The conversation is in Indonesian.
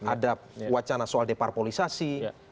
ada wacana soal deparpolisasi